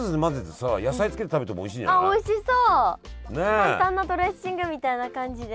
簡単なドレッシングみたいな感じで。